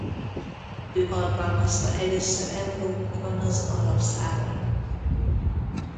Ő alkalmazta először Európában az arab számokat.